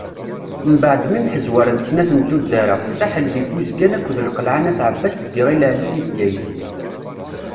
Mbeɛd mi mḥezwarent snat n tuddar-a Saḥel di Buzgan akked Lqelɛa n At Ɛebbas deg Yiɣil Ɛli di Bgayet.